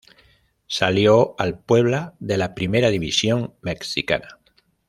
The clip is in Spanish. Salió al Puebla de la primera división mexicana